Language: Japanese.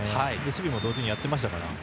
守備も同時にやっていましたから。